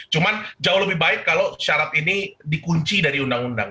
cuma jauh lebih baik kalau syarat ini dikunci dari undang undang